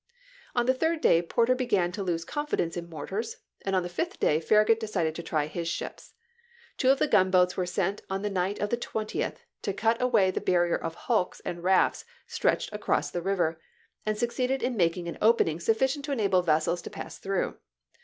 On the third day Porter began to lose confidence in mortars, and on the fifth day Farra gut decided to try his ships. Two of the gunboats were sent on the night of the twentieth to cut away the barrier of hulks and rafts stretched across the river, and succeeded in making an opening Fiirrajnit. sufiicient to enable vessels to pass through.